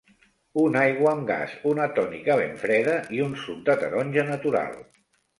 Una aigua amb gas, una tònica ben freda i un suc de taronja natural.